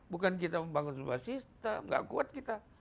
bukan kita membangun sebuah sistem gak kuat kita